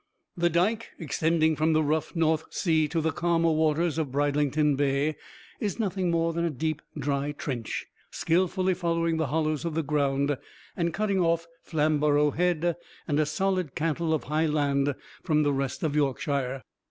The Dike, extending from the rough North Sea to the calmer waters of Bridlington Bay, is nothing more than a deep dry trench, skillfully following the hollows of the ground, and cutting off Flamborough Head and a solid cantle of high land from the rest of Yorkshire.